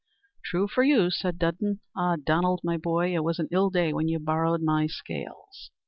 "True for you," said Dudden. "Ah, Donald, my boy, it was an ill day when you borrowed my scales."